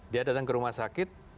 dia datang ke rumah sakit